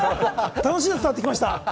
楽しさは伝わってきました。